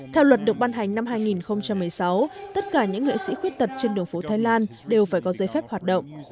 theo luật được ban hành năm hai nghìn một mươi sáu tất cả những nghệ sĩ khuyết tật trên đường phố thái lan đều phải có giấy phép hoạt động